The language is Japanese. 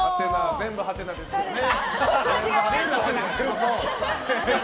全部はてなですけどね。